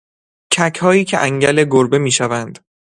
ککهایی که انگل گربه میشوند